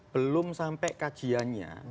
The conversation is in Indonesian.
belum sampai kajiannya